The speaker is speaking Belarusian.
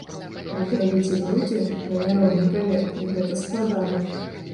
А ў траве ці брудзе, на няроўнай паверхні гэта складана.